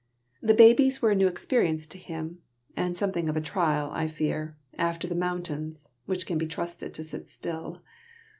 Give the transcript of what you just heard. The babies were a new experience to him, and something of a trial, I fear, after the mountains, which can be trusted to sit still.